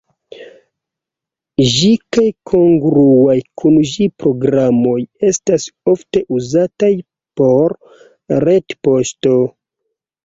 Ĝi kaj kongruaj kun ĝi programoj estas ofte uzataj por retpoŝto.